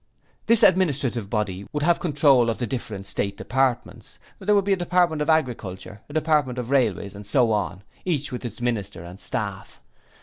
'This Administrative Body would have control of the different State Departments. There would be a Department of Agriculture, a Department of Railways and so on, each with its minister and staff.